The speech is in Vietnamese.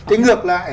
thì ngược lại